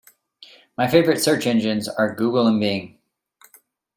My favourite search engines are Google and Bing.